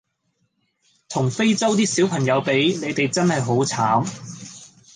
同非洲啲小朋友比你哋真係好慘